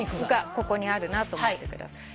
ここにあるなと思ってください。